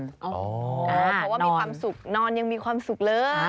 เพราะว่ามีความสุขนอนยังมีความสุขเลย